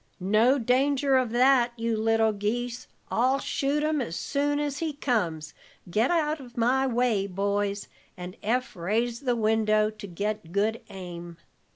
"No danger of that, you little geese. I'll shoot him as soon as he comes. Get out of the way, boys," and Eph raised the window to get good aim.